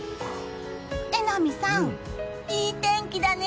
榎並さん、いい天気だね！